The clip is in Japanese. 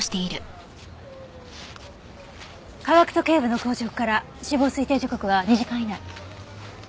下顎と頸部の硬直から死亡推定時刻は２時間以内。